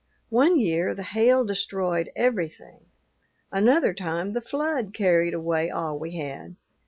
One year the hail destroyed everything; another time the flood carried away all we had.